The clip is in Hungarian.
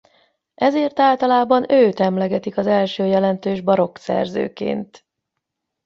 Ezért általában őt emlegetik az első jelentős barokk szerzőként.